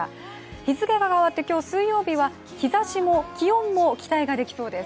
日付が変わって今日水曜日は日ざしも気温も期待ができそうです。